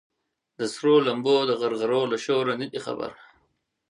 د سرو لمبو د غرغرو له شوره نه دي خبر